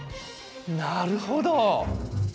なるほど！